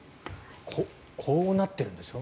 こうなってるんですよ。